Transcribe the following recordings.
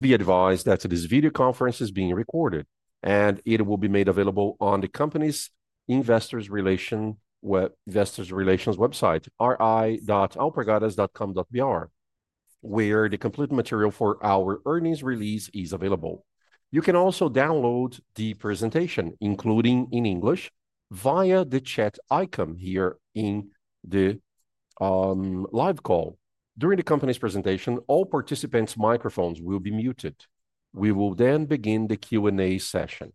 Be advised that today's video conference is being recorded, and it will be made available on the company's Investor Relations website: ri.alpargatas.com.br, where the complete material for our earnings release is available. You can also download the presentation, including in English, via the chat icon here in the live call. During the company's presentation, all participants' microphones will be muted. We will then begin the Q&A session.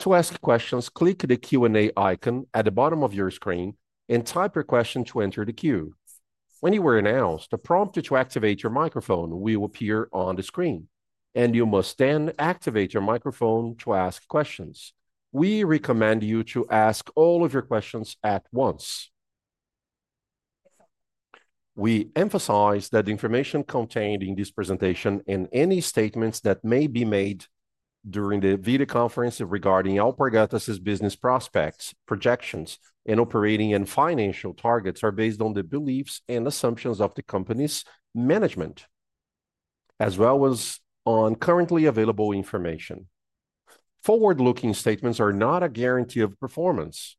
To ask questions, click the Q&A icon at the bottom of your screen and type your question to enter the queue. When you are announced, a prompt to activate your microphone will appear on the screen, and you must then activate your microphone to ask questions. We recommend you to ask all of your questions at once. We emphasize that the information contained in this presentation and any statements that may be made during the video conference regarding Alpargatas' business prospects, projections, and operating and financial targets are based on the beliefs and assumptions of the company's management, as well as on currently available information. Forward-looking statements are not a guarantee of performance.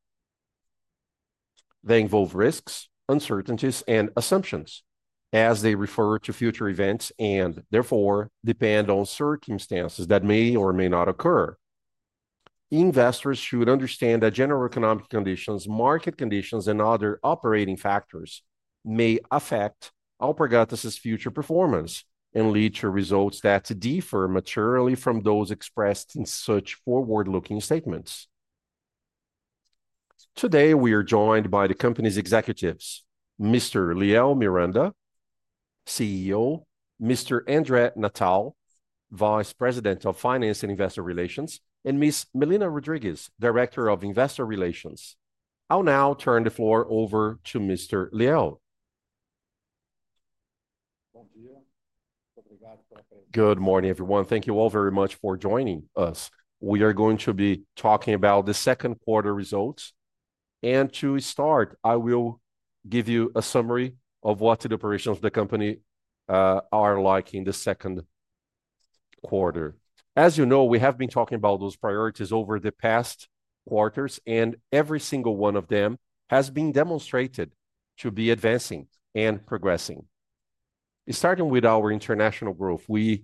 They involve risks, uncertainties, and assumptions, as they refer to future events and therefore depend on circumstances that may or may not occur. Investors should understand that general economic conditions, market conditions, and other operating factors may affect Alpargatas' future performance and lead to results that differ materially from those expressed in such forward-looking statements. Today, we are joined by the company's executives: Mr. Liel Miranda, CEO; Mr. André Natal, Vice President of Finance and Investor Relations; and Ms. Melina Rodriguez, Director of Investor Relations. I'll now turn the floor over to Mr. Liel. Good morning, everyone. Thank you all very much for joining us. We are going to be talking about the second quarter results. To start, I will give you a summary of what the operations of the company are like in the second quarter. As you know, we have been talking about those priorities over the past quarters, and every single one of them has been demonstrated to be advancing and progressing. Starting with our international growth, we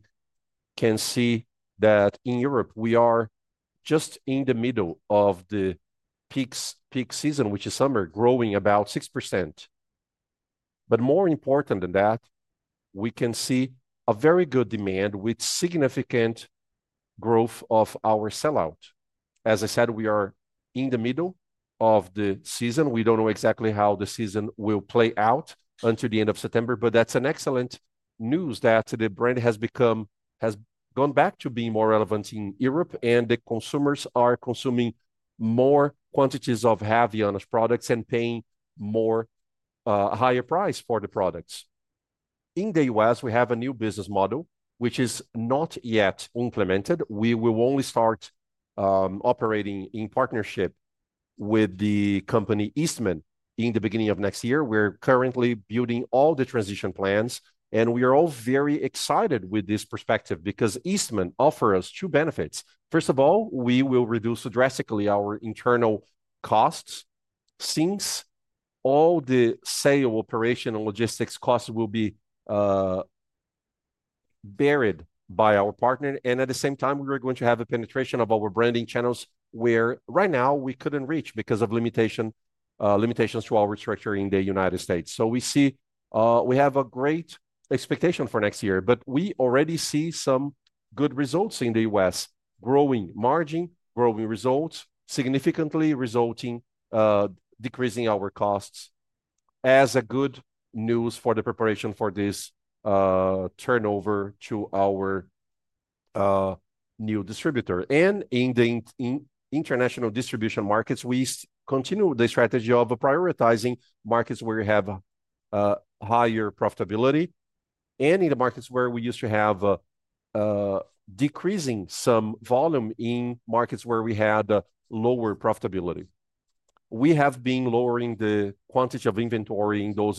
can see that in Europe, we are just in the middle of the peak season, which is summer, growing about 6%. More important than that, we can see a very good demand with significant growth of our sell-out. As I said, we are in the middle of the season. We don't know exactly how the season will play out until the end of September, but that's excellent news that the brand has become, has gone back to being more relevant in Europe, and the consumers are consuming more quantities of Havaianas products and paying more, a higher price for the products. In the U.S., we have a new business model, which is not yet implemented. We will only start operating in partnership with the company Eastman in the beginning of next year. We're currently building all the transition plans, and we are all very excited with this perspective because Eastman offers us two benefits. First of all, we will reduce drastically our internal costs since all the sale operation and logistics costs will be carried by our partner. At the same time, we are going to have a penetration of our branding channels where right now we couldn't reach because of limitations to our restructure in the United States. We have a great expectation for next year, but we already see some good results in the U.S.: growing margin, growing results, significantly resulting, decreasing our costs as a good news for the preparation for this turnover to our new distributor. In the international distribution markets, we continue the strategy of prioritizing markets where we have higher profitability and in the markets where we used to have, decreasing some volume in markets where we had lower profitability. We have been lowering the quantity of inventory in those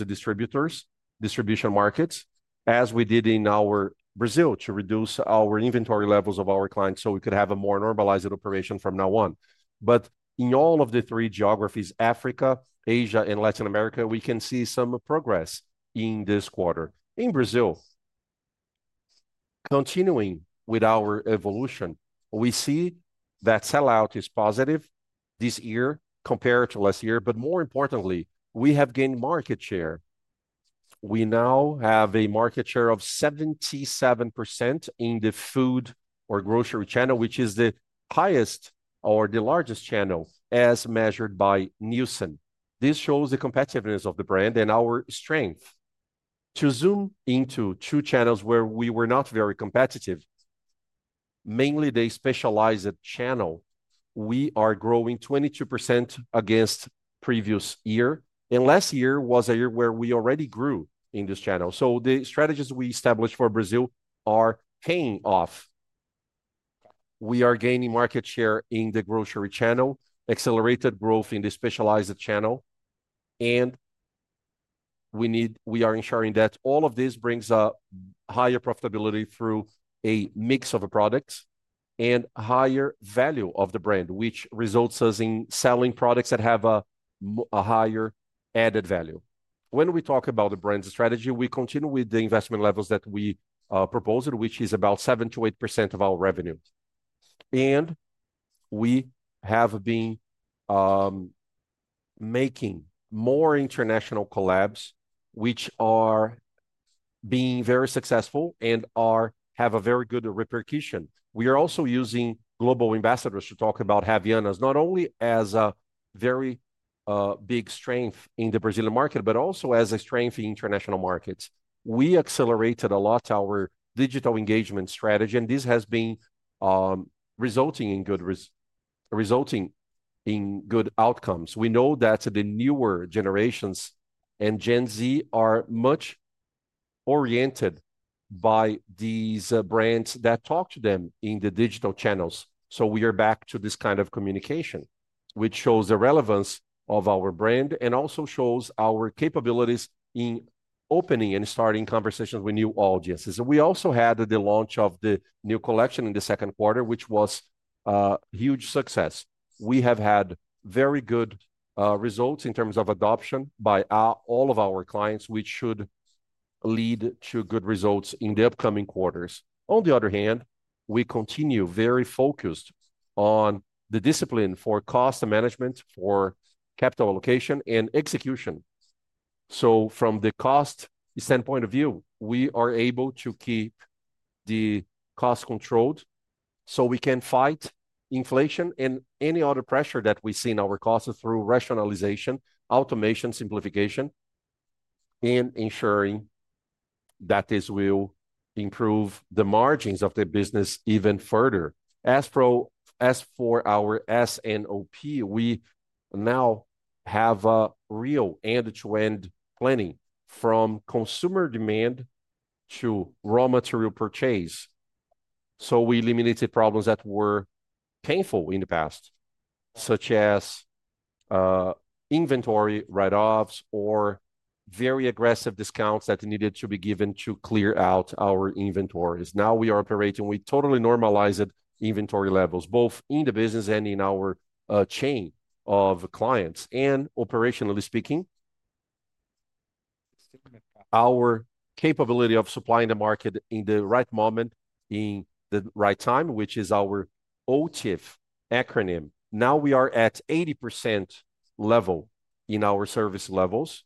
distribution markets, as we did in our Brazil to reduce our inventory levels of our clients so we could have a more normalized operation from now on. In all of the three geographies: Africa, Asia, and Latin America, we can see some progress in this quarter. In Brazil, continuing with our evolution, we see that sell-out is positive this year compared to last year, but more importantly, we have gained market share. We now have a market share of 77% in the food or grocery channel, which is the highest or the largest channel as measured by Nielsen. This shows the competitiveness of the brand and our strength. To zoom into two channels where we were not very competitive, mainly the specialized channel, we are growing 22% against previous year, and last year was a year where we already grew in this channel. The strategies we established for Brazil are paying off. We are gaining market share in the grocery channel, accelerated growth in the specialized channel, and we are ensuring that all of this brings a higher profitability through a mix of products and higher value of the brand, which results in selling products that have a higher added value. When we talk about the brand strategy, we continue with the investment levels that we proposed, which is about 7%-8% of our revenue. We have been making more international collabs, which are being very successful and have a very good repercussion. We are also using global ambassadors to talk about Havaianas, not only as a very big strength in the Brazilian market, but also as a strength in international markets. We accelerated a lot our digital engagement strategy, and this has been resulting in good outcomes. We know that the newer generations and Gen Z are much oriented by these brands that talk to them in the digital channels. We are back to this kind of communication, which shows the relevance of our brand and also shows our capabilities in opening and starting conversations with new audiences. We also had the launch of the new collection in the second quarter, which was a huge success. We have had very good results in terms of adoption by all of our clients, which should lead to good results in the upcoming quarters. On the other hand, we continue very focused on the discipline for cost management, for capital allocation, and execution. From the cost standpoint of view, we are able to keep the cost controlled so we can fight inflation and any other pressure that we see in our costs through rationalization, automation, simplification, and ensuring that this will improve the margins of the business even further. As for our SNOP, we now have a real end-to-end planning from consumer demand to raw material purchase. We eliminated problems that were painful in the past, such as inventory write-offs or very aggressive discounts that needed to be given to clear out our inventories. Now we are operating with totally normalized inventory levels, both in the business and in our chain of clients. Operationally speaking, our capability of supplying the market at the right moment and at the right time, which is our OTIF acronym, is now at 80% in our service levels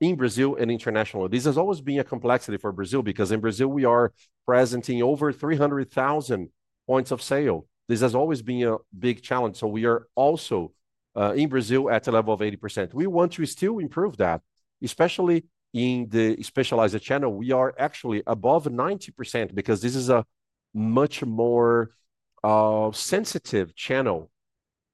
in Brazil and internationally. This has always been a complexity for Brazil because in Brazil we are present in over 300,000 points of sale. This has always been a big challenge. We are also in Brazil at a level of 80%. We want to still improve that, especially in the specialized channel. We are actually above 90% because this is a much more sensitive channel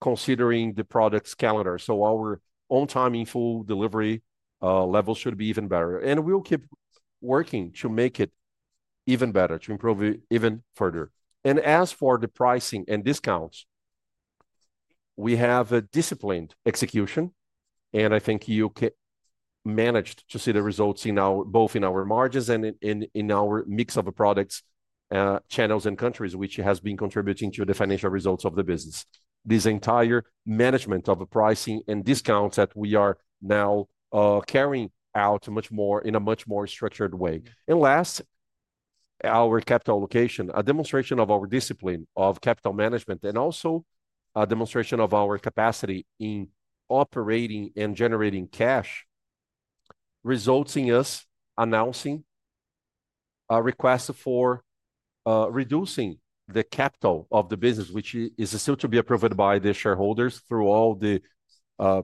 considering the product's calendar. Our on-time info delivery level should be even better. We will keep working to make it even better, to improve even further. As for the pricing and discounts, we have a disciplined execution, and I think you managed to see the results in both our margins and in our mix of products, channels, and countries, which has been contributing to the financial results of the business. This entire management of the pricing and discounts that we are now carrying out is much more structured. Last, our capital allocation, a demonstration of our discipline of capital management, and also a demonstration of our capacity in operating and generating cash, results in us announcing a request for reducing the capital of the business, which is still to be approved by the shareholders through all the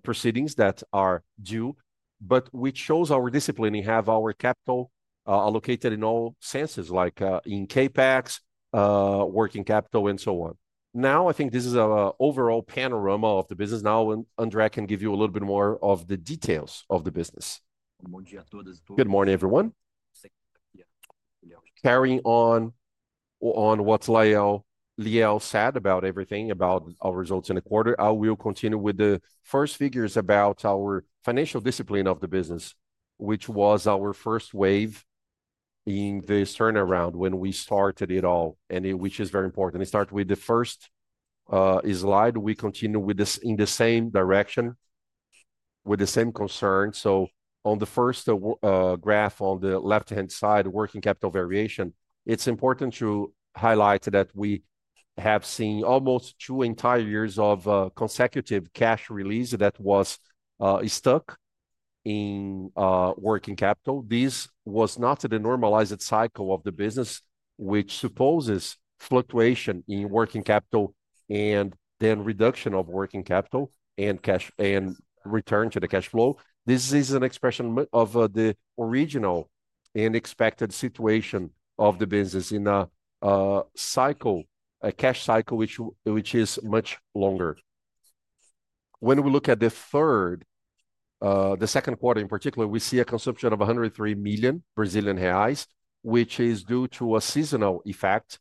proceedings that are due, but which shows our discipline and having our capital allocated in all senses, like in CapEx, working capital, and so on. I think this is an overall panorama of the business. André can give you a little bit more of the details of the business. Good morning, everyone. Carrying on with what Liel said about everything about our results in the quarter, I will continue with the first figures about our financial discipline of the business, which was our first wave in this turnaround when we started it all, and which is very important. It started with the first slide. We continue with this in the same direction, with the same concerns. On the first graph on the left-hand side, working capital variation, it's important to highlight that we have seen almost two entire years of consecutive cash release that was stuck in working capital. This was not the normalized cycle of the business, which supposes fluctuation in working capital and then reduction of working capital and return to the cash flow. This is an expression of the original and expected situation of the business in a cycle, a cash cycle, which is much longer. When we look at the second quarter in particular, we see a consumption of 103 million Brazilian reais, which is due to a seasonal effect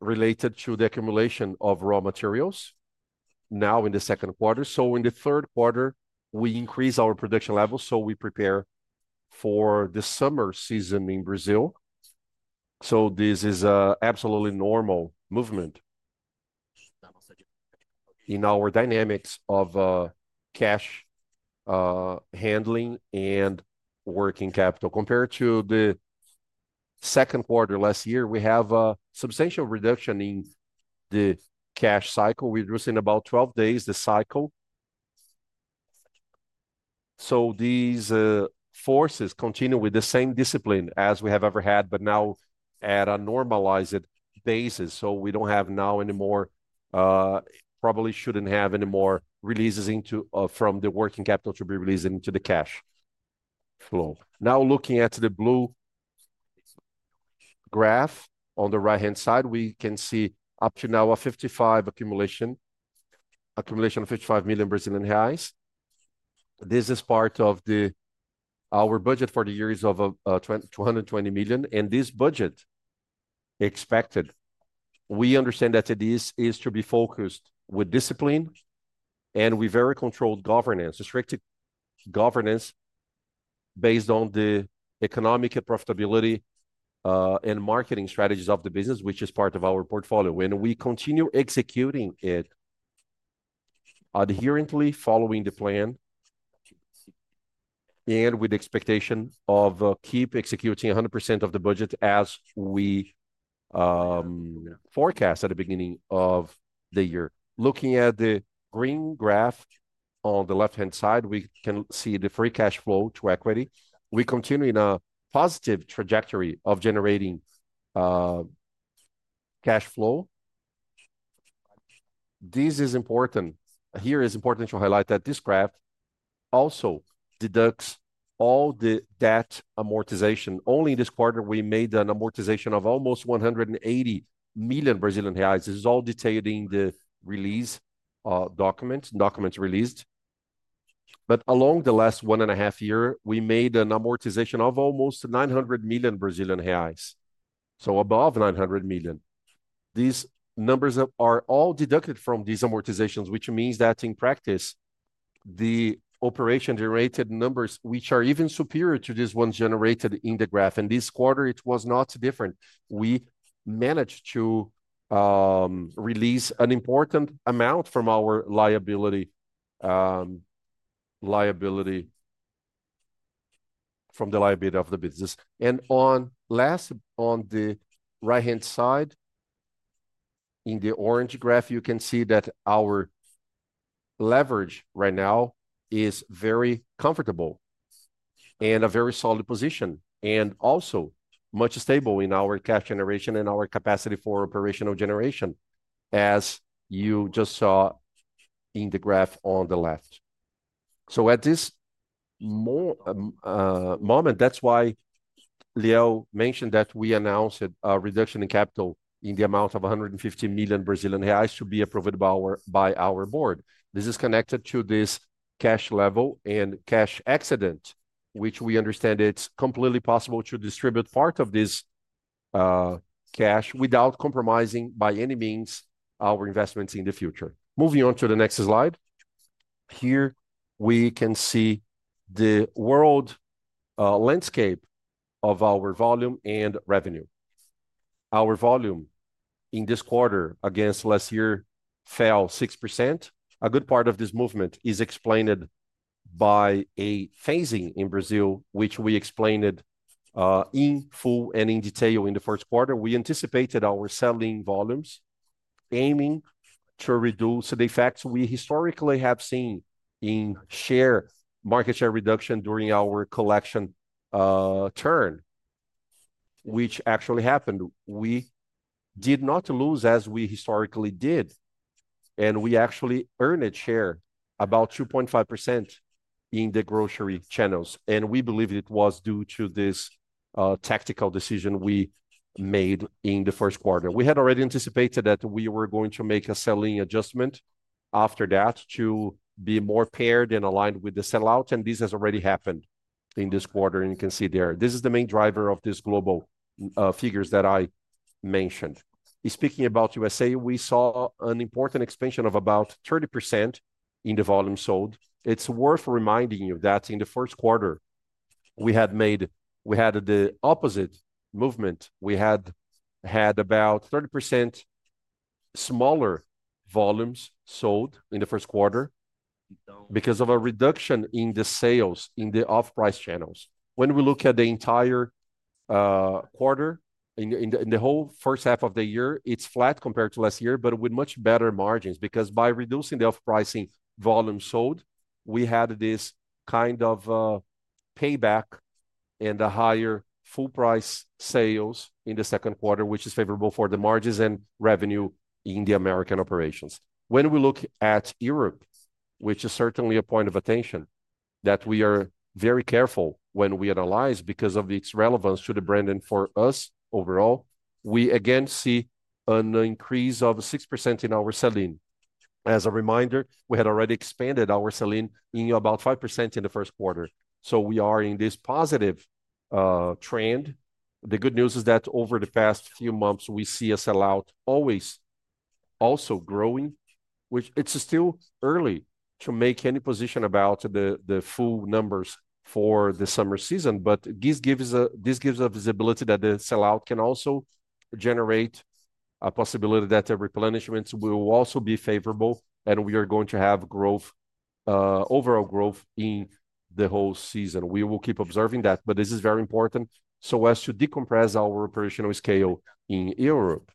related to the accumulation of raw materials now in the second quarter. In the third quarter, we increase our production levels so we prepare for the summer season in Brazil. This is an absolutely normal movement in our dynamics of cash handling and working capital. Compared to the second quarter last year, we have a substantial reduction in the cash cycle. We reduced in about 12 days the cycle. These forces continue with the same discipline as we have ever had, but now at a normalized basis. We don't have now anymore, probably shouldn't have any more releases from the working capital to be released into the cash flow. Now, looking at the blue graph on the right-hand side, we can see up to now an accumulation of 55 million Brazilian reais. This is part of our budget for the year of 220 million. This budget is expected. We understand that it is to be focused wtthout h discipline and with very controlled governance, restricted governance based on the economic profitability and marketing strategies of the business, which is part of our portfolio. We continue executing it, adherently following the plan and with the expectation of keep executing 100% of the budget as we forecast at the beginning of the year. Looking at the green graph on the left-hand side, we can see the free cash flow to equity. We continue in a positive trajectory of generating cash flow. This is important. Here it is important to highlight that this graph also deducts all the debt amortization. Only in this quarter, we made an amortization of almost 180 million Brazilian reais. This is all detailed in the release documents released. Along the last one and a half years, we made an amortization of almost 900 million Brazilian reais, so above 900 million. These numbers are all deducted from these amortizations, which means that in practice, the operation-generated numbers, which are even superior to these ones generated in the graph. This quarter, it was not different. We managed to release an important amount from our liability, from the liability of the business. On the right-hand side, in the orange graph, you can see that our leverage right now is very comfortable and a very solid position and also much stable in our cash generation and our capacity for operational generation, as you just saw in the graph on the left. At this moment, that's why Liel mentioned that we announced a reduction in capital in the amount of 150 million Brazilian reais to be approved by our board. This is connected to this cash level and cash excess, which we understand it's completely possible to distribute part of this cash without compromising by any means our investments in the future. Moving on to the next slide, here we can see the world landscape of our volume and revenue. Our volume in this quarter against last year fell 6%. A good part of this movement is explained by a phasing in Brazil, which we explained in full and in detail in the first quarter. We anticipated our selling volumes, aiming to reduce the effects we historically have seen in market share reduction during our collection turn, which actually happened. We did not lose as we historically did, and we actually earned a share of about 2.5% in the grocery channels. We believe it was due to this tactical decision we made in the first quarter. We had already anticipated that we were going to make a selling adjustment after that to be more paired and aligned with the sell-out, and this has already happened in this quarter. You can see there, this is the main driver of these global figures that I mentioned. Speaking about the United States, we saw an important expansion of about 30% in the volume sold. It's worth reminding you that in the first quarter, we had made the opposite movement. We had had about 30% smaller volumes sold in the first quarter because of a reduction in the sales in the off-price channels. When we look at the entire quarter, in the whole first half of the year, it's flat compared to last year, but with much better margins because by reducing the off-pricing volume sold, we had this kind of payback and a higher full-price sales in the second quarter, which is favorable for the margins and revenue in the American operations. When we look at Europe, which is certainly a point of attention that we are very careful when we analyze because of its relevance to the brand and for us overall, we again see an increase of 6% in our selling. As a reminder, we had already expanded our selling in about 5% in the first quarter. We are in this positive trend. The good news is that over the past few months, we see a sell-out always also growing, which it's still early to make any position about the full numbers for the summer season. This gives a visibility that the sell-out can also generate a possibility that the replenishment will also be favorable, and we are going to have growth, overall growth in the whole season. We will keep observing that, but this is very important so as to decompress our operational scale in Europe.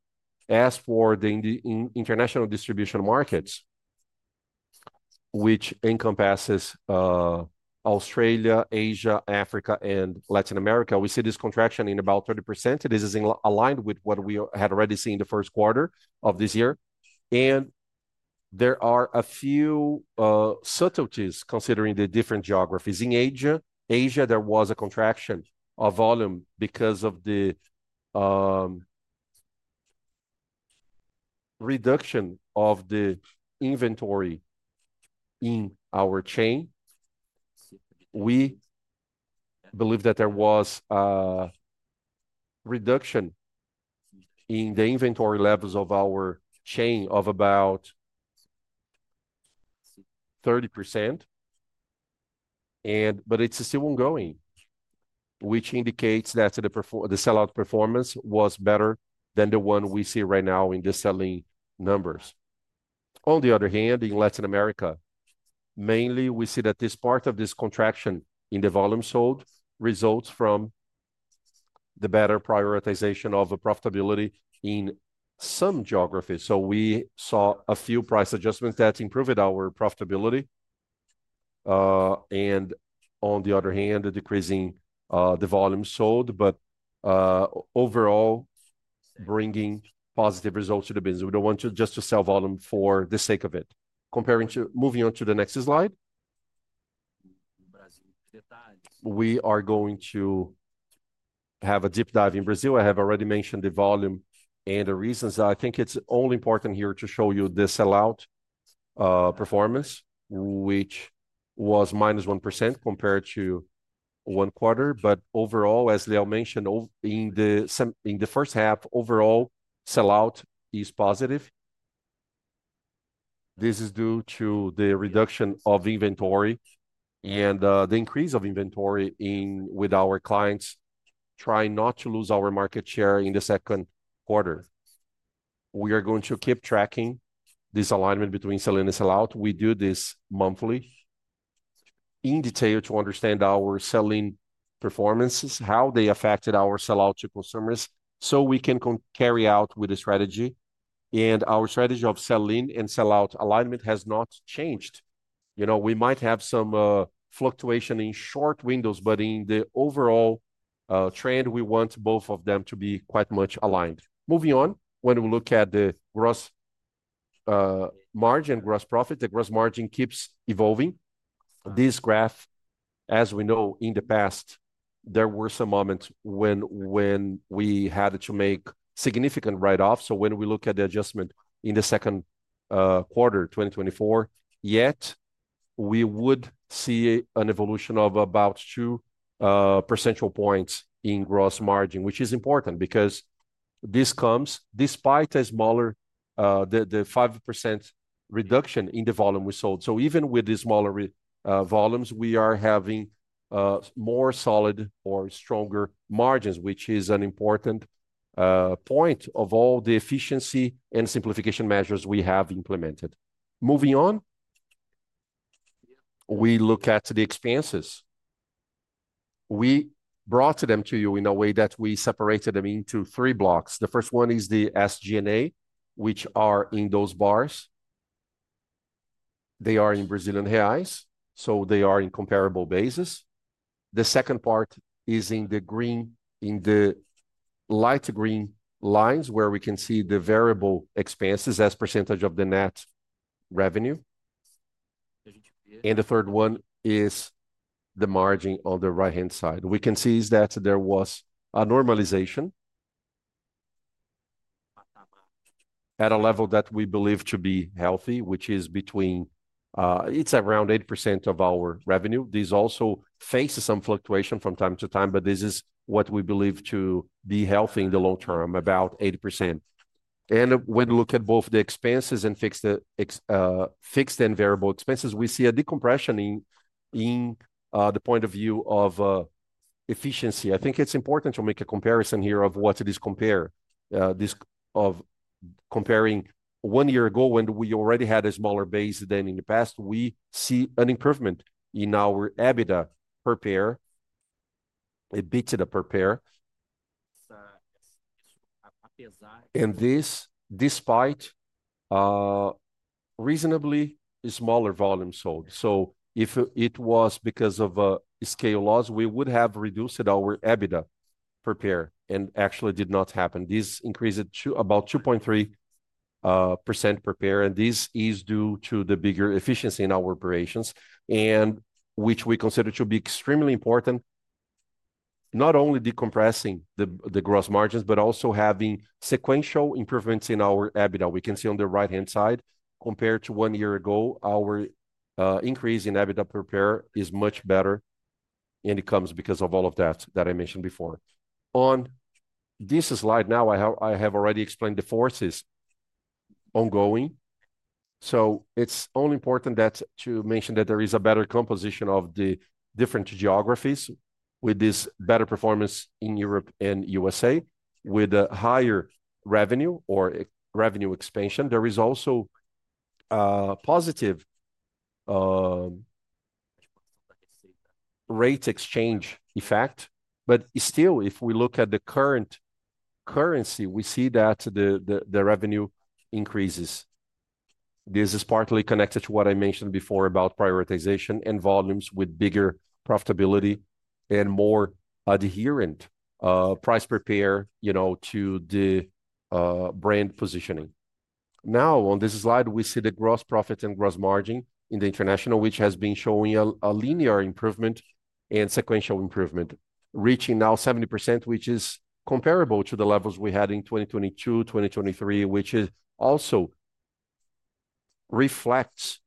As for the international distribution markets, which encompasses Australia, Asia, Africa, and Latin America, we see this contraction in about 30%. This is aligned with what we had already seen in the first quarter of this year. There are a few subtleties considering the different geographies. In Asia, there was a contraction of volume because of the reduction of the inventory in our chain. We believe that there was a reduction in the inventory levels of our chain of about 30%, but it's still ongoing, which indicates that the sell-out performance was better than the one we see right now in the selling numbers. On the other hand, in Latin America, mainly we see that this part of this contraction in the volume sold results from the better prioritization of profitability in some geographies. We saw a few price adjustments that improved our profitability. On the other hand, decreasing the volume sold, but overall bringing positive results to the business. We don't want to just sell volume for the sake of it. Moving on to the next slide, we are going to have a deep dive in Brazil. I have already mentioned the volume and the reasons. I think it's only important here to show you the sell-out performance, which was minus 1% compared to one quarter. Overall, as Liel mentioned, in the first half, overall sell-out is positive. This is due to the reduction of inventory and the increase of inventory with our clients trying not to lose our market share in the second quarter. We are going to keep tracking this alignment between selling and sell-out. We do this monthly in detail to understand our selling performances, how they affected our sell-out to consumers so we can carry out with the strategy. Our strategy of selling and sell-out alignment has not changed. You know, we might have some fluctuation in short windows, but in the overall trend, we want both of them to be quite much aligned. Moving on, when we look at the gross margin and gross profit, the gross margin keeps evolving. This graph, as we know, in the past, there were some moments when we had to make significant write-offs. When we look at the adjustment in the second quarter, 2024, yet we would see an evolution of about 2 percentage points in gross margin, which is important because this comes despite a smaller, the 5% reduction in the volume we sold. Even with the smaller volumes, we are having more solid or stronger margins, which is an important point of all the efficiency and simplification measures we have implemented. Moving on, we look at the expenses. We brought them to you in a way that we separated them into three blocks. The first one is the SG&A, which are in those bars. They are in Brazilian Reals, so they are in comparable basis. The second part is in the green, in the light green lines where we can see the variable expenses as percentage of the net revenue. The third one is the margin on the right-hand side. We can see that there was a normalization at a level that we believe to be healthy, which is around 80% of our revenue. This also faces some fluctuation from time to time, but this is what we believe to be healthy in the long term, about 80%. When we look at both the expenses and fixed and variable expenses, we see a decompression in the point of view of efficiency. I think it's important to make a comparison here of what this compares, this of comparing one year ago when we already had a smaller base than in the past. We see an improvement in our EBITDA per pair, EBITDA per pair, and this despite reasonably smaller volume sold. If it was because of scale loss, we would have reduced our EBITDA per pair, and actually did not happen. This increased to about 2.3% per pair, and this is due to the bigger efficiency in our operations, which we consider to be extremely important, not only decompressing the gross margins, but also having sequential improvements in our EBITDA. We can see on the right-hand side, compared to one year ago, our increase in EBITDA per pair is much better, and it comes because of all of that that I mentioned before. On this slide now, I have already explained the forces ongoing. It is only important to mention that there is a better composition of the different geographies with this better performance in Europe and USA with a higher revenue or revenue expansion. There is also a positive rate exchange effect. If we look at the current currency, we see that the revenue increases. This is partly connected to what I mentioned before about prioritization and volumes with bigger profitability and more adherent price per pair to the brand positioning. Now, on this slide, we see the gross profit and gross margin in the international, which has been showing a linear improvement and sequential improvement, reaching now 70%, which is comparable to the levels we had in 2022, 2023, which also reflects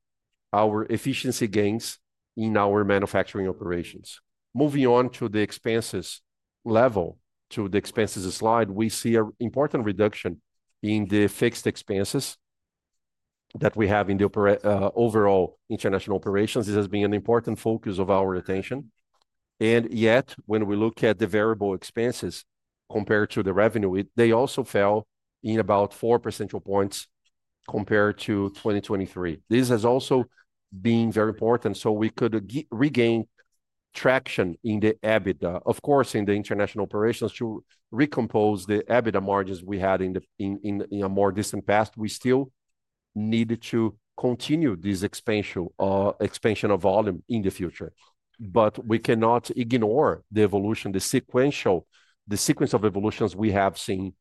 our efficiency gains in our manufacturing operations. Moving on to the expenses level, to the expenses slide, we see an important reduction in the fixed expenses that we have in the overall international operations. This has been an important focus of our attention. When we look at the variable expenses compared to the revenue, they also fell in about 4 percentage points compared to 2023. This has also been very important so we could regain traction in the EBITDA. Of course, in the international operations, to recompose the EBITDA margins we had in a more distant past, we still needed to continue this expansion of volume in the future. We cannot ignore the evolution, the sequence of evolutions we have seen,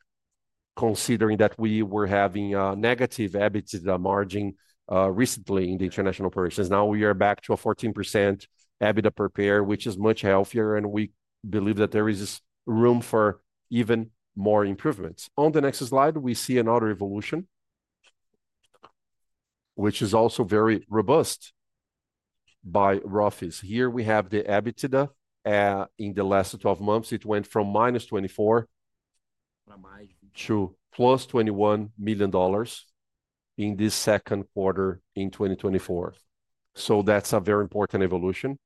considering that we were having a negative EBITDA margin recently in the international operations. Now we are back to a 14% EBITDA per pair, which is much healthier, and we believe that there is room for even more improvements. On the next slide, we see another evolution, which is also very robust by Rothy's. Here we have the EBITDA in the last 12 months. It went from -$24 million to +$21 million in this second quarter in 2024. That is a very important evolution.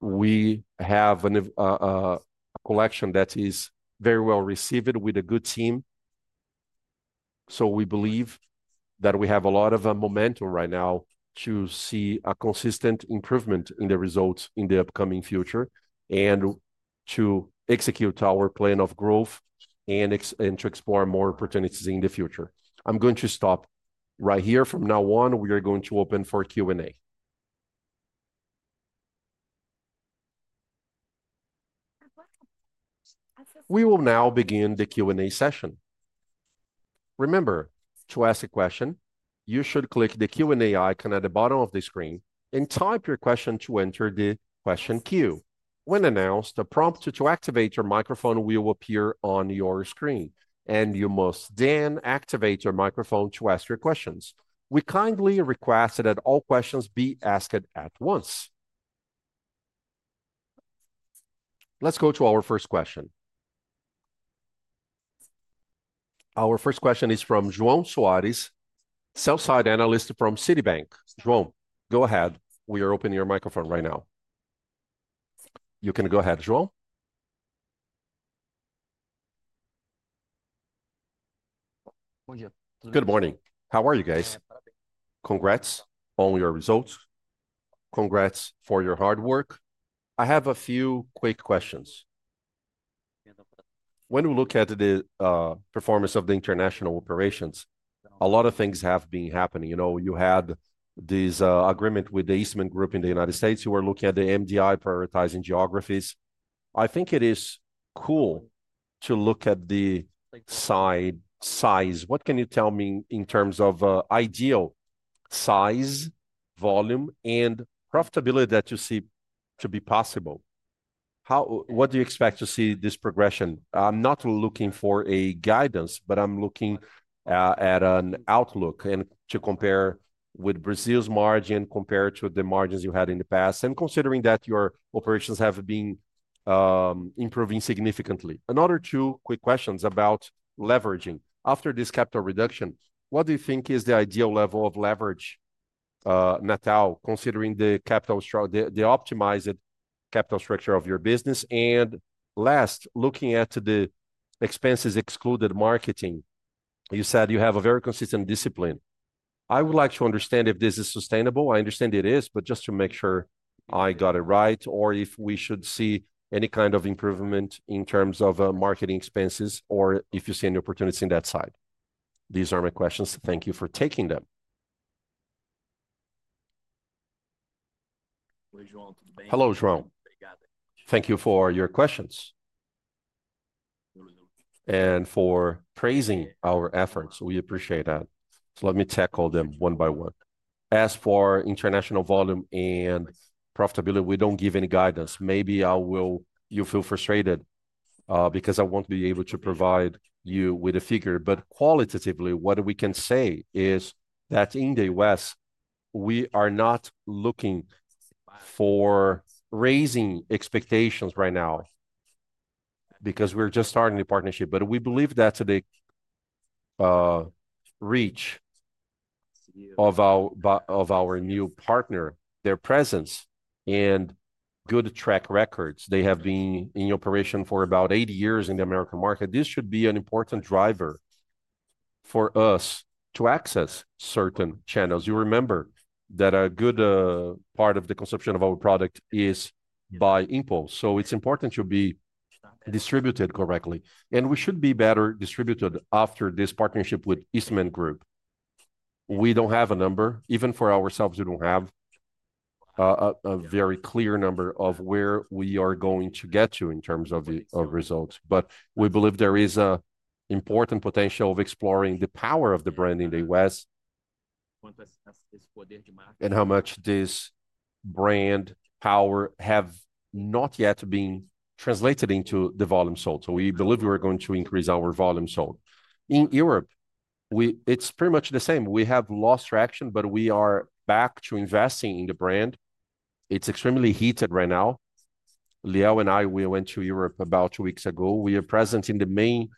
We have a collection that is very well received with a good team. We believe that we have a lot of momentum right now to see a consistent improvement in the results in the upcoming future and to execute our plan of growth and to explore more opportunities in the future. I'm going to stop right here. From now on, we are going to open for Q&A. We will now begin the Q&A session. Remember, to ask a question, you should click the Q&A icon at the bottom of the screen and type your question to enter the question queue. When announced, a prompt to activate your microphone will appear on your screen, and you must then activate your microphone to ask your questions. We kindly request that all questions be asked at once. Let's go to our first question. Our first question is from João Soares, sell-side analyst from Citibank. João, go ahead. We are opening your microphone right now. You can go ahead, João. Good morning. How are you guys? Congrats on your results. Congrats for your hard work. I have a few quick questions. When we look at the performance of the international operations, a lot of things have been happening. You had this agreement with the Eastman Group in the United States. You were looking at the MDI prioritizing geographies. I think it is cool to look at the side size. What can you tell me in terms of ideal size, volume, and profitability that you see to be possible? What do you expect to see this progression? I'm not looking for guidance, but I'm looking at an outlook and to compare with Brazil's margin compared to the margins you had in the past, and considering that your operations have been improving significantly. Another two quick questions about leveraging. After this capital reduction, what do you think is the ideal level of leverage, Natal, considering the capital structure, the optimized capital structure of your business? Last, looking at the expenses excluded marketing, you said you have a very consistent discipline. I would like to understand if this is sustainable. I understand it is, but just to make sure I got it right, or if we should see any kind of improvement in terms of marketing expenses, or if you see any opportunities in that side. These are my questions. Thank you for taking them. Hello, João. Thank you for your questions and for praising our efforts. We appreciate that. Let me tackle them one by one. As for international volume and profitability, we don't give any guidance. Maybe you'll feel frustrated because I won't be able to provide you with a figure. Qualitatively, what we can say is that in the U.S., we are not looking for raising expectations right now because we're just starting a partnership. We believe that the reach of our new partner, their presence, and good track records—they have been in operation for about 80 years in the American market—should be an important driver for us to access certain channels. You remember that a good part of the consumption of our product is by Impulse. It's important to be distributed correctly. We should be better distributed after this partnership with Eastman Group. We don't have a number. Even for ourselves, we don't have a very clear number of where we are going to get to in terms of results. We believe there is an important potential of exploring the power of the brand in the U.S. and how much this brand power has not yet been translated into the volume sold. We believe we're going to increase our volume sold. In Europe, it's pretty much the same. We have lost traction, but we are back to investing in the brand. It's extremely heated right now. Liel and I, we went to Europe about two weeks ago. We are present in the main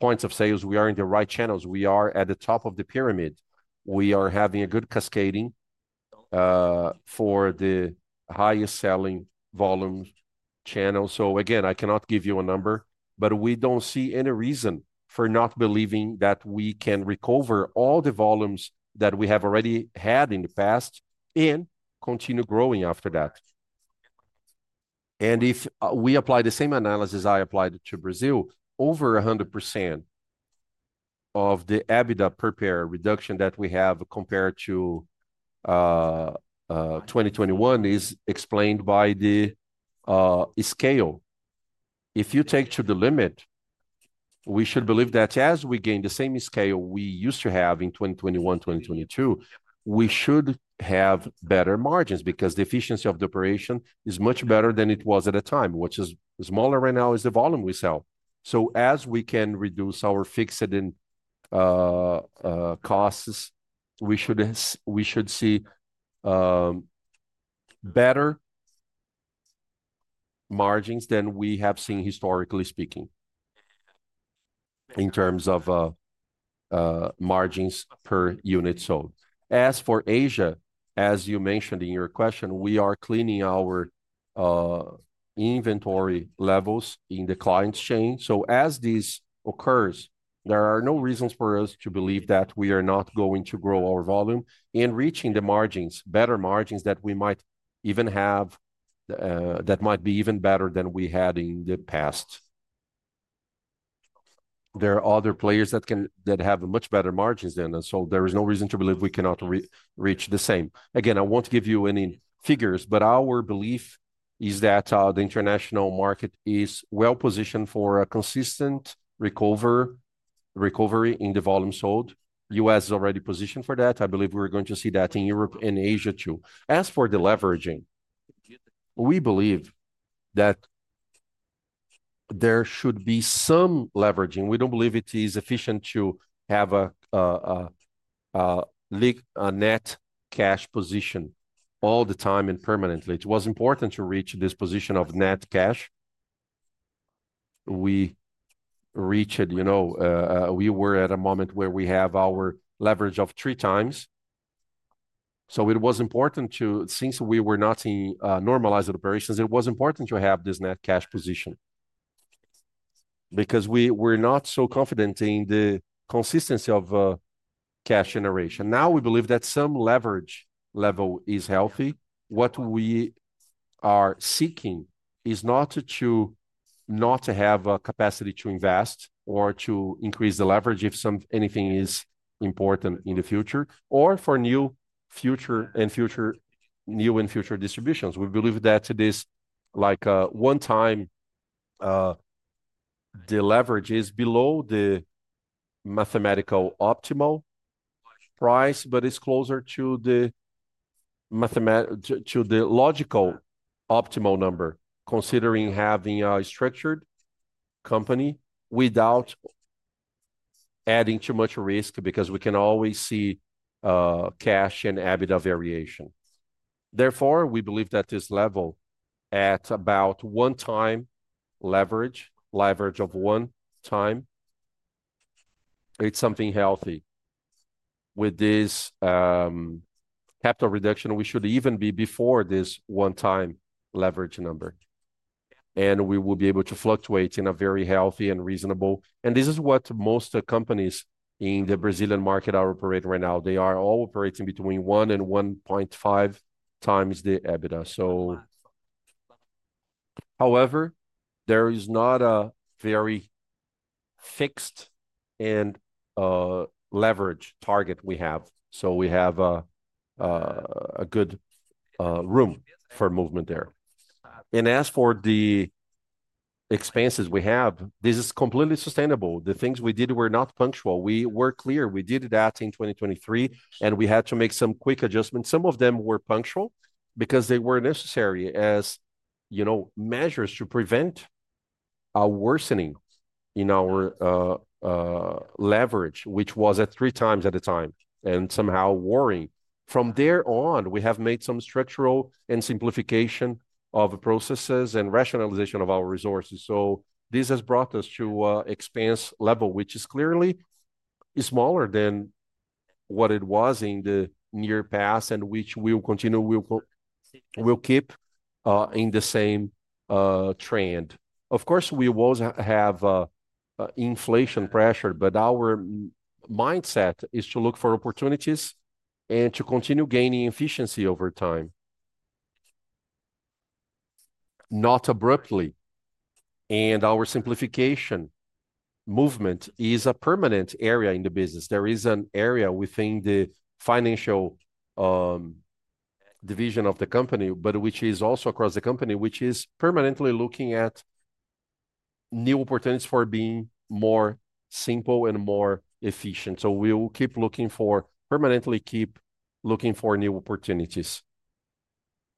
points of sales. We are in the right channels. We are at the top of the pyramid. We are having a good cascading for the highest selling volume channel. I cannot give you a number, but we don't see any reason for not believing that we can recover all the volumes that we have already had in the past and continue growing after that. If we apply the same analysis I applied to Brazil, over 100% of the EBITDA per pair reduction that we have compared to 2021 is explained by the scale. If you take to the limit, we should believe that as we gain the same scale we used to have in 2021, 2022, we should have better margins because the efficiency of the operation is much better than it was at the time, which is smaller right now as the volume we sell. As we can reduce our fixed costs, we should see better margins than we have seen historically speaking in terms of margins per unit sold. As for Asia, as you mentioned in your question, we are cleaning our inventory levels in the client's chain. As this occurs, there are no reasons for us to believe that we are not going to grow our volume in reaching the margins, better margins that we might even have, that might be even better than we had in the past. There are other players that have much better margins than us, so there is no reason to believe we cannot reach the same. Again, I won't give you any figures, but our belief is that the international market is well positioned for a consistent recovery in the volume sold. The U.S. is already positioned for that. I believe we're going to see that in Europe and Asia too. As for the leveraging, we believe that there should be some leveraging. We don't believe it is efficient to have a net cash position all the time and permanently. It was important to reach this position of net cash. We reached it. We were at a moment where we have our leverage of 3x. It was important to, since we were not in normalized operations, have this net cash position because we were not so confident in the consistency of cash generation. Now we believe that some leverage level is healthy. What we are seeking is not to not have a capacity to invest or to increase the leverage if anything is important in the future or for new future and future distributions. We believe that this is like a one-time the leverage is below the mathematical optimal price, but it's closer to the logical optimal number, considering having a structured company without adding too much risk because we can always see cash and EBITDA variation. Therefore, we believe that this level at about one-time leverage, leverage of one time, it's something healthy. With this capital reduction, we should even be before this one-time leverage number, and we will be able to fluctuate in a very healthy and reasonable, and this is what most companies in the Brazilian market are operating right now. They are all operating between one and 1.5x the EBITDA. However, there is not a very fixed leverage target we have. We have a good room for movement there. As for the expenses we have, this is completely sustainable. The things we did were not punctual. We were clear. We did that in 2023, and we had to make some quick adjustments. Some of them were punctual because they were necessary as measures to prevent a worsening in our leverage, which was at three times at a time, and somehow worrying. From there on, we have made some structural and simplification of processes and rationalization of our resources. This has brought us to an expense level, which is clearly smaller than what it was in the near past, and which we will continue, we'll keep in the same trend. Of course, we will have inflation pressure, but our mindset is to look for opportunities and to continue gaining efficiency over time, not abruptly. Our simplification movement is a permanent area in the business. There is an area within the financial division of the company, but which is also across the company, which is permanently looking at new opportunities for being more simple and more efficient. We will keep looking for, permanently keep looking for new opportunities.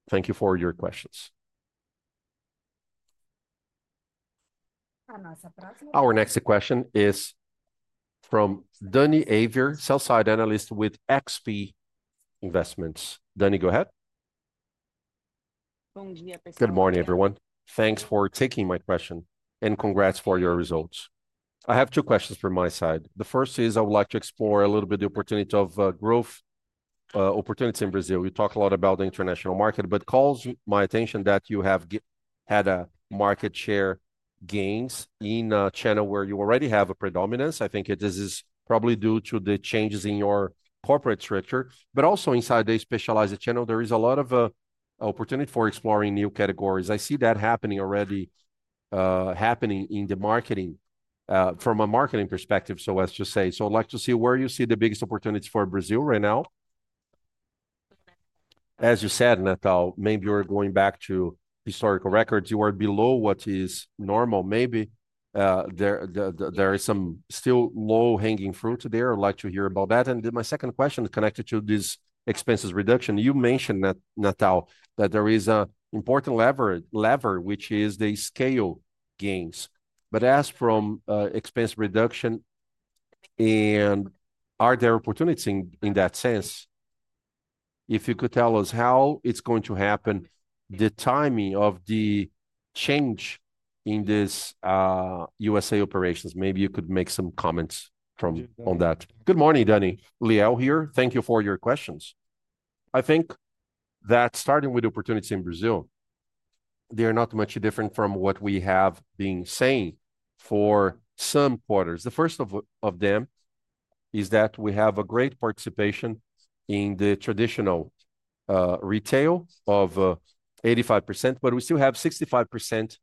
Thank you for your questions. Our next question is from Dani Javier, sell-side analyst with XP Investments. Dani, go ahead. Good morning, everyone. Thanks for taking my question and congrats for your results. I have two questions from my side. The first is I would like to explore a little bit the opportunity of growth opportunities in Brazil. You talk a lot about the international market, but it calls my attention that you have had market share gains in a channel where you already have a predominance. I think this is probably due to the changes in your corporate structure, but also inside the specialized channel, there is a lot of opportunity for exploring new categories. I see that happening already, happening in the marketing from a marketing perspective. I'd like to see where you see the biggest opportunities for Brazil right now. As you said, Natal, maybe you're going back to historical records. You are below what is normal. Maybe there is some still low-hanging fruit there. I'd like to hear about that. My second question is connected to this expenses reduction. You mentioned, Natal, that there is an important lever, which is the scale gains. As from expense reduction, are there opportunities in that sense? If you could tell us how it's going to happen, the timing of the change in these U.S.A. operations, maybe you could make some comments on that. Good morning, Dani. Liel here. Thank you for your questions. I think that starting with opportunities in Brazil, they're not much different from what we have been saying for some quarters. The first of them is that we have a great participation in the traditional retail of 85%, but we still have 65%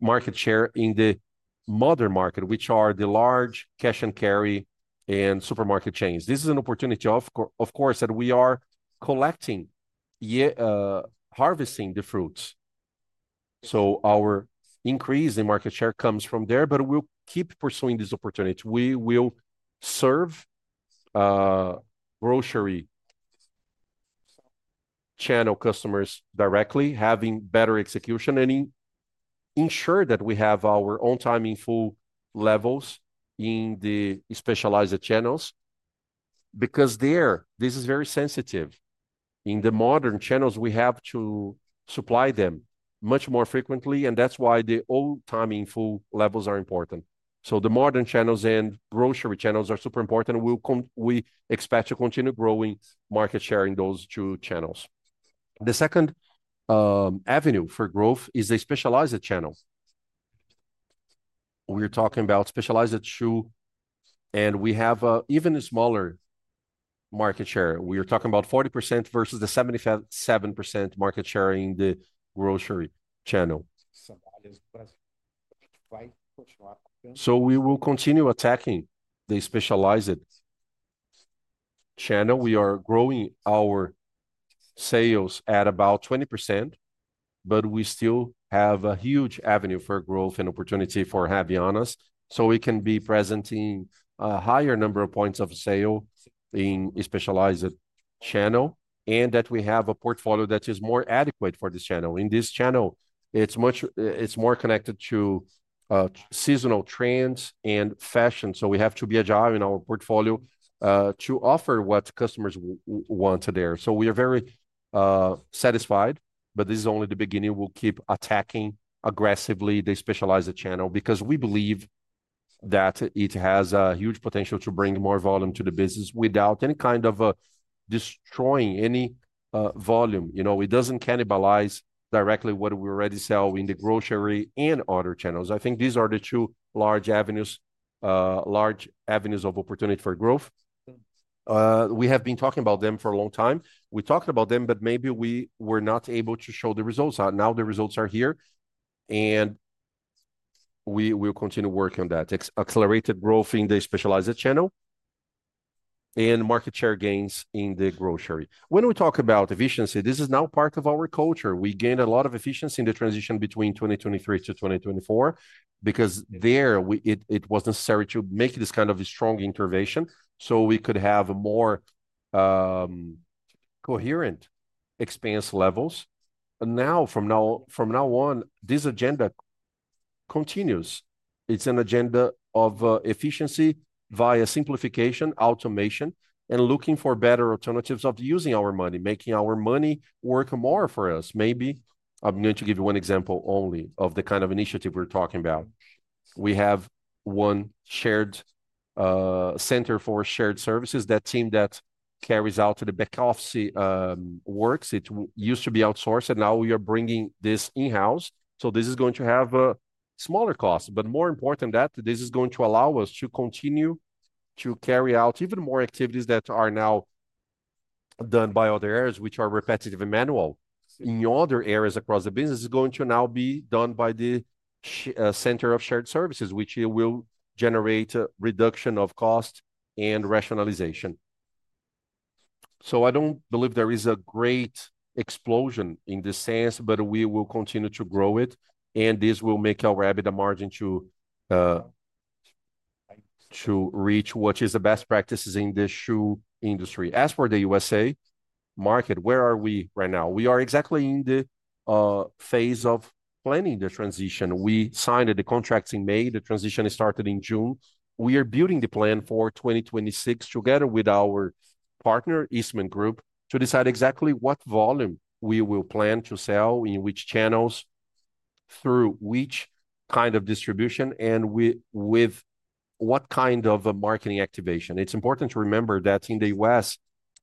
market share in the mother market, which are the large cash and carry and supermarket chains. This is an opportunity, of course, that we are collecting, harvesting the fruits. Our increase in market share comes from there, but we'll keep pursuing this opportunity. We will serve grocery channel customers directly, having better execution, and ensure that we have our own timing full levels in the specialized channels. There, this is very sensitive. In the modern channels, we have to supply them much more frequently, and that's why the old timing full levels are important. The modern channels and grocery channels are super important. We expect to continue growing market share in those two channels. The second avenue for growth is a specialized channel. We're talking about specialized shoe, and we have an even smaller market share. We are talking about 40% versus the 77% market share in the grocery channel. We will continue attacking the specialized channel. We are growing our sales at about 20%, but we still have a huge avenue for growth and opportunity for Havaianas, so we can be presenting a higher number of points of sale in a specialized channel and that we have a portfolio that is more adequate for this channel. In this channel, it's much more connected to seasonal trends and fashion. We have to be agile in our portfolio to offer what customers want there. We are very satisfied, but this is only the beginning. We'll keep attacking aggressively the specialized channel because we believe that it has a huge potential to bring more volume to the business without any kind of destroying any volume. It doesn't cannibalize directly what we already sell in the grocery and other channels. I think these are the two large avenues, large avenues of opportunity for growth. We have been talking about them for a long time. We talked about them, but maybe we were not able to show the results. Now the results are here, and we will continue working on that. Accelerated growth in the specialized channel and market share gains in the grocery. When we talk about efficiency, this is now part of our culture. We gained a lot of efficiency in the transition between 2023 to 2024 because it was necessary to make this kind of a strong intervention so we could have more coherent expense levels. From now on, this agenda continues. It's an agenda of efficiency via simplification, automation, and looking for better alternatives of using our money, making our money work more for us. Maybe I'm going to give you one example only of the kind of initiative we're talking about. We have one shared center for shared services, that team that carries out the back office works. It used to be outsourced, and now we are bringing this in-house. This is going to have a smaller cost, but more important than that, this is going to allow us to continue to carry out even more activities that are now done by other areas, which are repetitive and manual. In other areas across the business, it's going to now be done by the center of shared services, which will generate a reduction of cost and rationalization. I don't believe there is a great explosion in this sense, but we will continue to grow it, and this will make our EBITDA margin reach what is the best practices in the shoe industry. As for the U.S. market, where are we right now? We are exactly in the phase of planning the transition. We signed the contracts in May. The transition started in June. We are building the plan for 2026 together with our partner, Eastman Group, to decide exactly what volume we will plan to sell, in which channels, through which kind of distribution, and with what kind of marketing activation. It's important to remember that in the U.S.,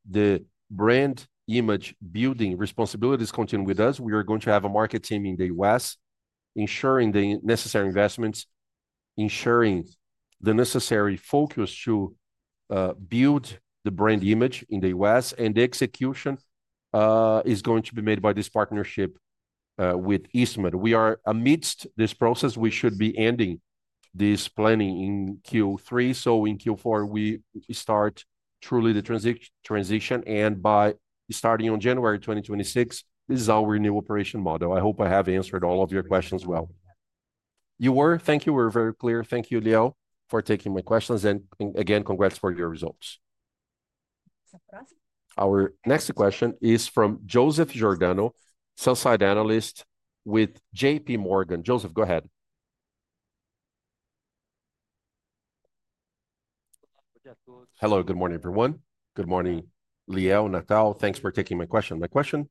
the brand image building responsibilities continue with us. We are going to have a market team in the U.S. ensuring the necessary investments, ensuring the necessary focus to build the brand image in the U.S., and the execution is going to be made by this partnership with Eastman. We are amidst this process. We should be ending this planning in Q3. In Q4, we start truly the transition, and by starting on January 2026, this is our new operation model. I hope I have answered all of your questions well. You were. Thank you. We were very clear. Thank you, Liel, for taking my questions. And again, congrats for your results. Our next question is from Joseph Giordano, sell-side analyst with JPMorgan. Joseph, go ahead. Hello. Good morning, everyone. Good morning, Liel, Natal. Thanks for taking my question. My question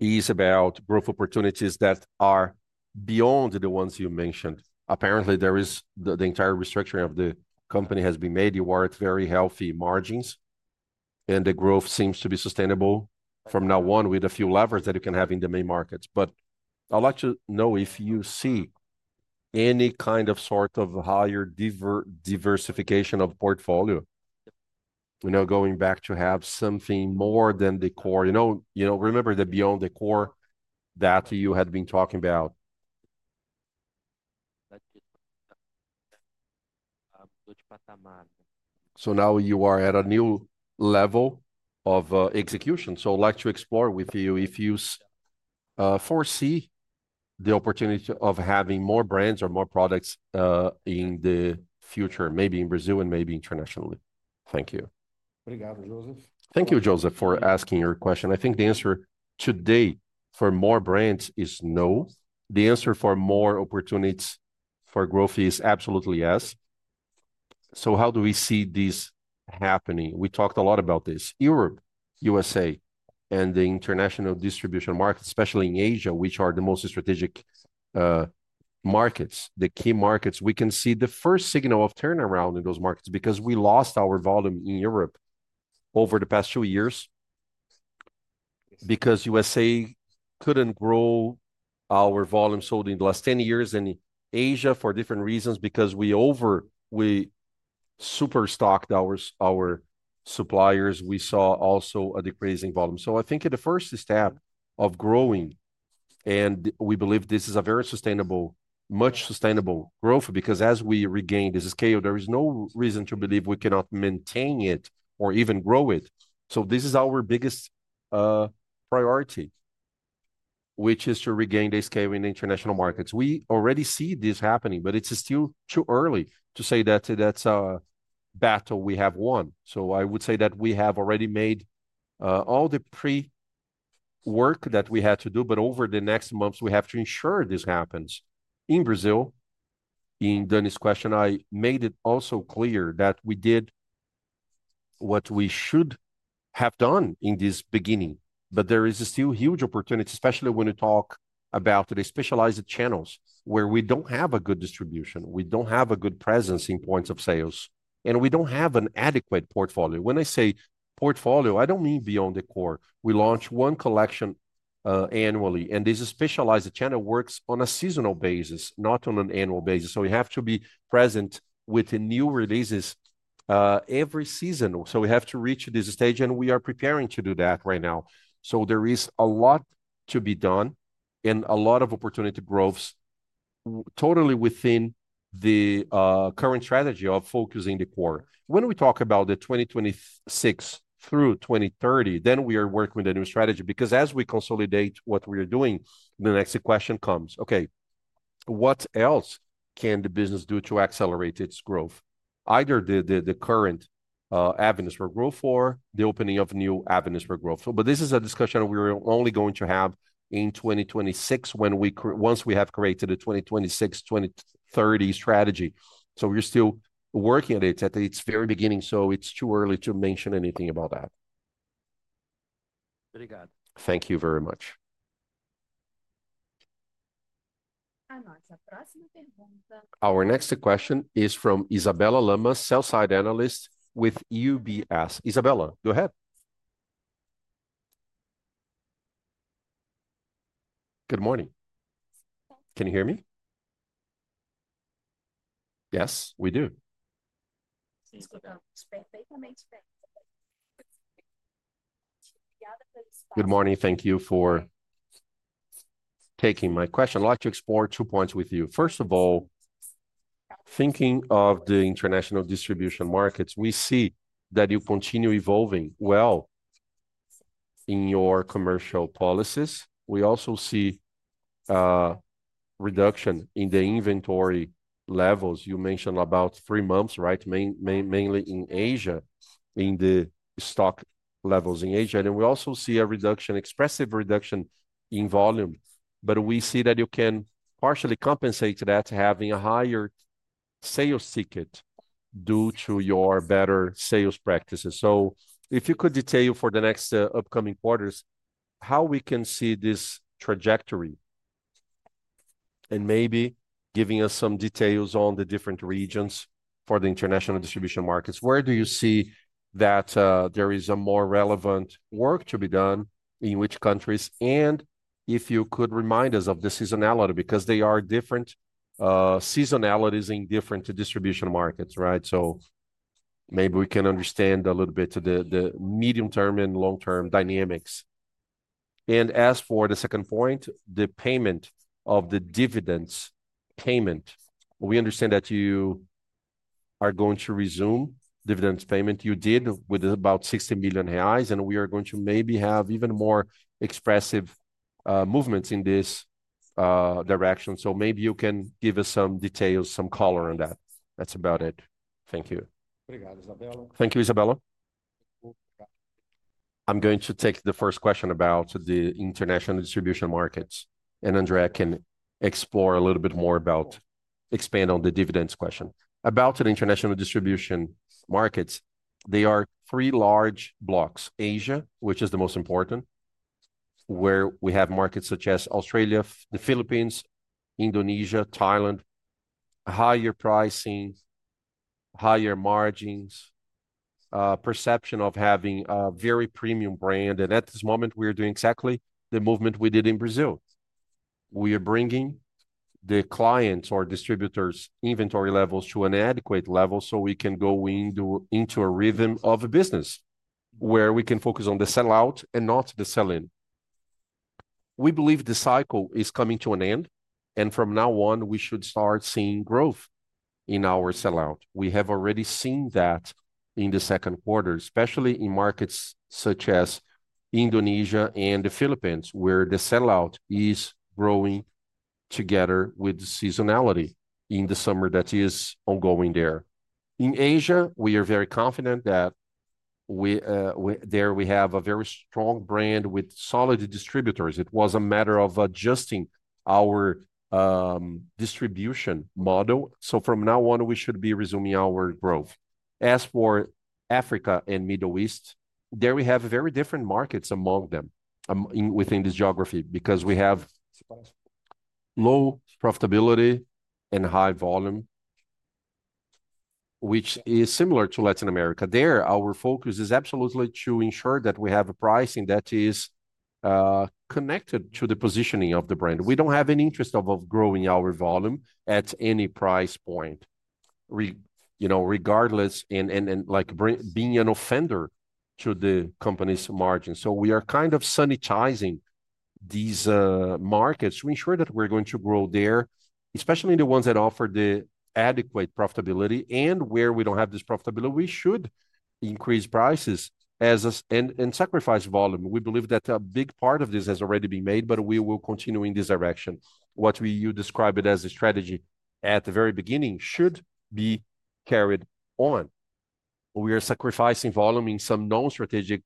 is about growth opportunities that are beyond the ones you mentioned. Apparently, the entire restructuring of the company has been made. You are at very healthy margins, and the growth seems to be sustainable from now on with a few levers that you can have in the main markets. I'd like to know if you see any kind of sort of higher diversification of the portfolio. We're now going back to have something more than the core. You know, you know remember that beyond the core that you had been talking about. Now you are at a new level of execution. I'd like to explore with you if you foresee the opportunity of having more brands or more products in the future, maybe in Brazil and maybe internationally. Thank you. Thank you, Joseph, for asking your question. I think the answer today for more brands is no. The answer for more opportunities for growth is absolutely yes. How do we see this happening? We talked a lot about this. Europe, United States, and the international distribution markets, especially in Asia, which are the most strategic markets, the key markets, we can see the first signal of turnaround in those markets because we lost our volume in Europe over the past two years because United States couldn't grow our volume sold in the last 10 years and Asia for different reasons because we over-superstocked our suppliers. We saw also a decreasing volume. I think the first step of growing, and we believe this is a very sustainable, much sustainable growth because as we regain this scale, there is no reason to believe we cannot maintain it or even grow it. This is our biggest priority, which is to regain the scale in the international markets. We already see this happening, but it's still too early to say that that's a battle we have won. I would say that we have already made all the pre-work that we had to do, but over the next months, we have to ensure this happens. In Brazil, in Dani's question, I made it also clear that we did what we should have done in this beginning, but there is still a huge opportunity, especially when you talk about the specialized channels where we don't have a good distribution, we don't have a good presence in points of sales, and we don't have an adequate portfolio. When I say portfolio, I don't mean beyond the core. We launch one collection annually, and this specialized channel works on a seasonal basis, not on an annual basis. We have to be present with the new releases every season. We have to reach this stage, and we are preparing to do that right now. There is a lot to be done and a lot of opportunity growth totally within the current strategy of focusing the core. When we talk about the 2026 through 2030, then we are working with a new strategy because as we consolidate what we are doing, the next question comes. Okay, what else can the business do to accelerate its growth? Either the current avenues for growth or the opening of new avenues for growth. This is a discussion we're only going to have in 2026 once we have created a 2026-2030 strategy. We're still working at it at its very beginning. It's too early to mention anything about that. Thank you very much. Our next question is from Isabella Leima, sell-side analyst with UBS. Isabella, go ahead. Good morning. Can you hear me? Yes, we do. Good morning. Thank you for taking my question. I'd like to explore two points with you. First of all, thinking of the international distribution markets, we see that you continue evolving well in your commercial policies. We also see a reduction in the inventory levels. You mentioned about three months, right? Mainly in Asia, in the stock levels in Asia. We also see a reduction, expressive reduction in volume. We see that you can partially compensate that having a higher sales ticket due to your better sales practices. If you could detail for the next upcoming quarters how we can see this trajectory and maybe give us some details on the different regions for the international distribution markets. Where do you see that there is a more relevant work to be done, in which countries? If you could remind us of the seasonality because there are different seasonalities in different distribution markets, right? Maybe we can understand a little bit of the medium-term and long-term dynamics. As for the second point, the payment of the dividends payment, we understand that you are going to resume dividends payment. You did with about 60 million reais, and we are going to maybe have even more expressive movements in this direction. Maybe you can give us some details, some color on that. That's about it. Thank you. Thank you, Isabella. I'm going to take the first question about the international distribution markets, and André can explore a little bit more about expanding on the dividends question. About the international distribution markets, there are three large blocks: Asia, which is the most important, where we have markets such as Australia, the Philippines, Indonesia, Thailand, higher pricing, higher margins, perception of having a very premium brand. At this moment, we are doing exactly the movement we did in Brazil. We are bringing the clients' or distributors' inventory levels to an adequate level so we can go into a rhythm of a business where we can focus on the sell-out and not the sell-in. We believe the cycle is coming to an end, and from now on, we should start seeing growth in our sell-out. We have already seen that in the second quarter, especially in markets such as Indonesia and the Philippines, where the sell-out is growing together with the seasonality in the summer that is ongoing there. In Asia, we are very confident that there we have a very strong brand with solid distributors. It was a matter of adjusting our distribution model. From now on, we should be resuming our growth. As for Africa and the Middle East, there we have very different markets among them within this geography because we have low profitability and high volume, which is similar to Latin America. There, our focus is absolutely to ensure that we have a pricing that is connected to the positioning of the brand. We don't have any interest of growing our volume at any price point, regardless, and like being an offender to the company's margins. We are kind of sanitizing these markets to ensure that we're going to grow there, especially the ones that offer the adequate profitability. Where we don't have this profitability, we should increase prices and sacrifice volume. We believe that a big part of this has already been made, but we will continue in this direction. What you described as a strategy at the very beginning should be carried on. We are sacrificing volume in some non-strategic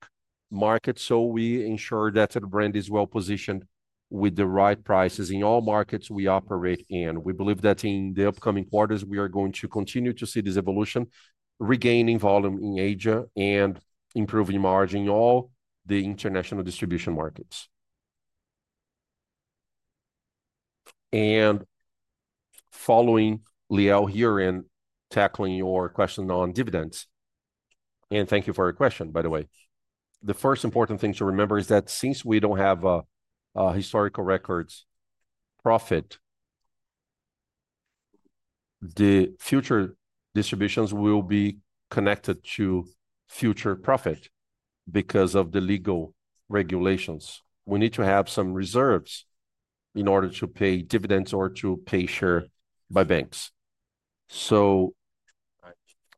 markets so we ensure that the brand is well positioned with the right prices in all markets we operate in. We believe that in the upcoming quarters, we are going to continue to see this evolution, regaining volume in Asia and improving margin in all the international distribution markets. Following Liel here and tackling your question on dividends, and thank you for your question, by the way. The first important thing to remember is that since we don't have a historical records profit, the future distributions will be connected to future profit because of the legal regulations. We need to have some reserves in order to pay dividends or to pay share by banks.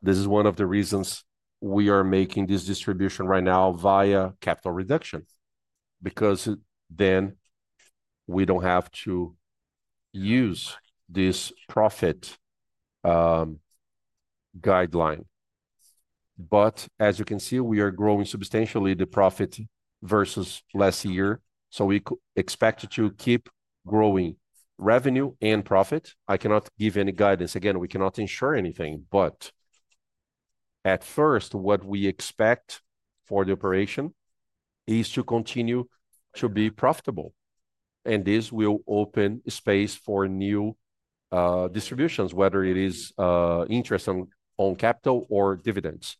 This is one of the reasons we are making this distribution right now via capital reduction because then we don't have to use this profit guideline. As you can see, we are growing substantially the profit versus last year. We expect to keep growing revenue and profit. I cannot give any guidance. Again, we cannot ensure anything, but at first, what we expect for the operation is to continue to be profitable. This will open space for new distributions, whether it is interest on capital or dividends.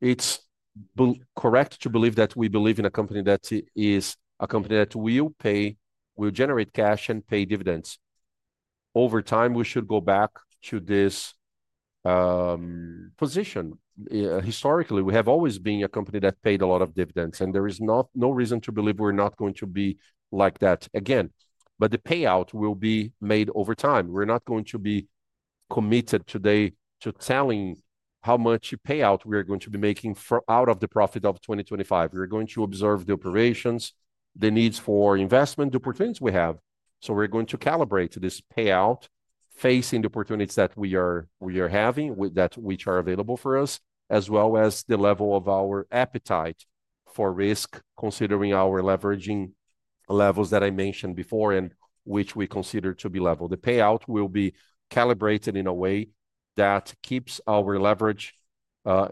It's correct to believe that we believe in a company that is a company that will pay, will generate cash, and pay dividends. Over time, we should go back to this position. Historically, we have always been a company that paid a lot of dividends, and there is no reason to believe we're not going to be like that again. The payout will be made over time. We're not going to be committed today to telling how much payout we are going to be making out of the profit of 2025. We're going to observe the operations, the needs for investment, the opportunities we have. We're going to calibrate this payout facing the opportunities that we are having, which are available for us, as well as the level of our appetite for risk, considering our leveraging levels that I mentioned before and which we consider to be level. The payout will be calibrated in a way that keeps our leverage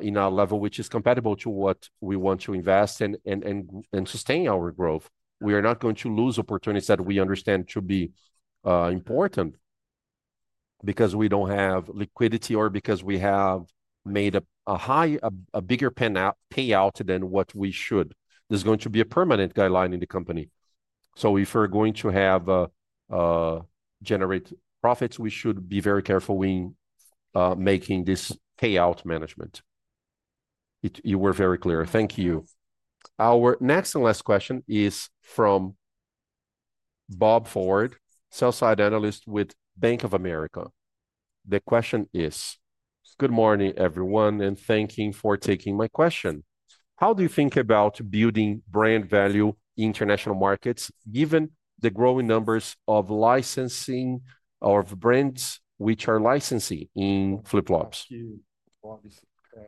in a level which is compatible to what we want to invest in and sustain our growth. We are not going to lose opportunities that we understand to be important because we don't have liquidity or because we have made a high, a bigger payout than what we should. There's going to be a permanent guideline in the company. If we're going to have generated profits, we should be very careful in making this payout management. You were very clear. Thank you. Our next and last question is from Bob Ford, sell-side analyst with Bank of America. The question is, "Good morning, everyone, and thank you for taking my question. How do you think about building brand value in international markets, given the growing numbers of licensing or of brands which are licensing in flip-flops?"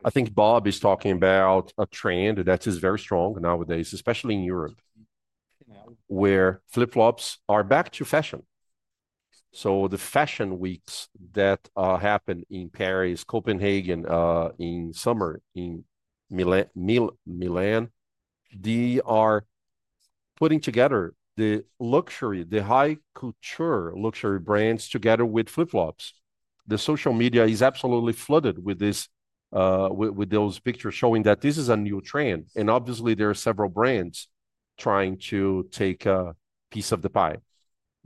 I think Bob is talking about a trend that is very strong nowadays, especially in Europe, where flip-flops are back to fashion. The fashion weeks that happen in Paris, Copenhagen, in summer, in Milan, they are putting together the luxury, the high couture luxury brands together with flip-flops. The social media is absolutely flooded with those pictures showing that this is a new trend. Obviously, there are several brands trying to take a piece of the pie.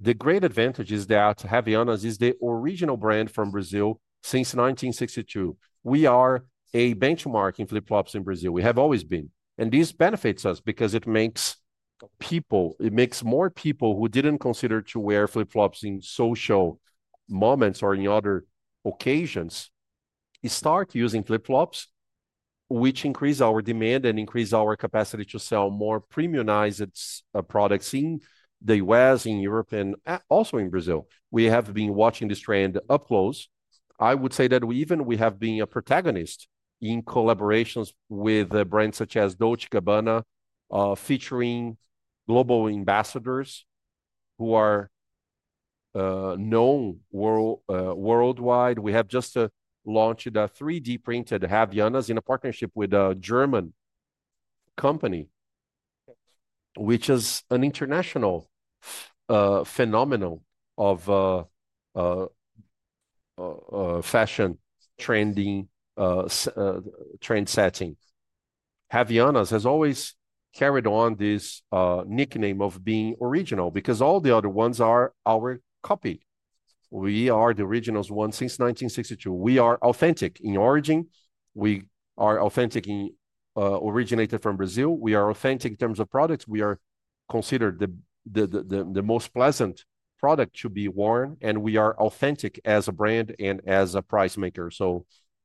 The great advantage is that Havaianas is the original brand from Brazil since 1962. We are a benchmark in flip-flops in Brazil. We have always been. This benefits us because it makes more people who didn't consider wearing flip-flops in social moments or in other occasions start using flip-flops, which increases our demand and increases our capacity to sell more premiumized products in the United States, in Europe, and also in Brazil. We have been watching this trend up close. I would say that we even have been a protagonist in collaborations with brands such as Dolce & Gabbana, featuring global ambassadors who are known worldwide. We have just launched a 3D printed Havaianas in a partnership with a German company, which is an international phenomenon of fashion trending, trend setting. Havaianas has always carried on this nickname of being original because all the other ones are our copy. We are the original ones since 1962. We are authentic in origin. We are authentic in originated from Brazil. We are authentic in terms of products. We are considered the most pleasant product to be worn, and we are authentic as a brand and as a price maker.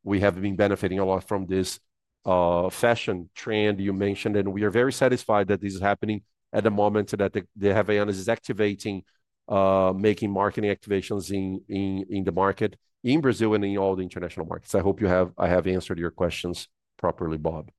We have been benefiting a lot from this fashion trend you mentioned, and we are very satisfied that this is happening at the moment that Havaianas is activating, making marketing activations in the market in Brazil and in all the international markets. I hope I have answered your questions properly, Bob.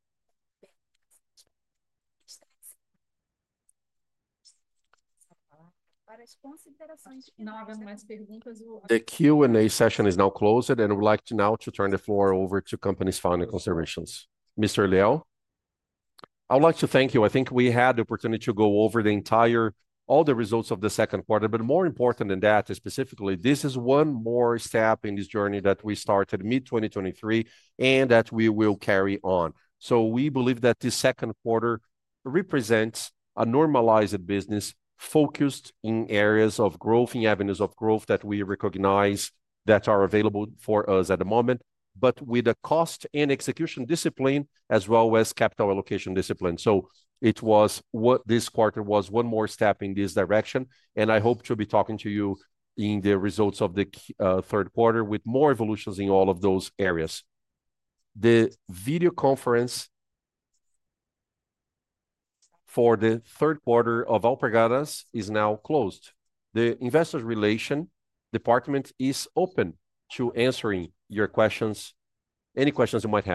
The Q&A session is now closed, and I would like now to turn the floor over to the company's founding observations. Mr. Liel? I would like to thank you. I think we had the opportunity to go over all the results of the second quarter, but more important than that, specifically, this is one more step in this journey that we started mid-2023 and that we will carry on. We believe that this second quarter represents a normalized business focused in areas of growth, in avenues of growth that we recognize that are available for us at the moment, but with a cost and execution discipline as well as capital allocation discipline. This quarter was one more step in this direction, and I hope to be talking to you in the results of the third quarter with more evolutions in all of those areas. The video conference for the third quarter of Alpargatas is now closed. The Investor Relations department is open to answering your questions, any questions you might have.